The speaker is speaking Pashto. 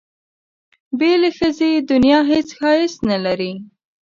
بې له ښځې دنیا هېڅ ښایست نه لري.